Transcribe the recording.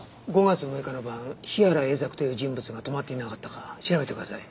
５月６日の晩日原英策という人物が泊まっていなかったか調べてください。